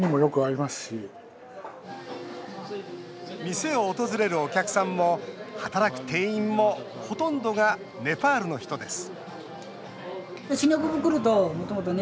店を訪れるお客さんも働く店員もほとんどがネパールの人です